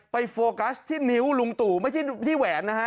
ไปโฟกัสที่นิ้วที่พลไฟ